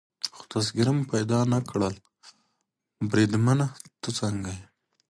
خو تذکیره مو پیدا نه کړل، بریدمنه ته څنګه یې؟